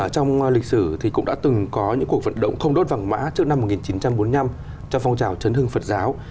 trong lịch sử thì cũng đã từng có những cuộc vận động không đốt vàng mã trước năm một nghìn chín trăm bốn mươi năm cho phong trào chấn hương phật giáo